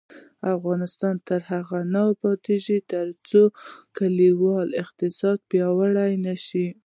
افغانستان تر هغو نه ابادیږي، ترڅو کلیوالي اقتصاد پیاوړی نشي.